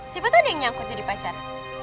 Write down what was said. siapa tuh ada yang nyangkut jadi pacar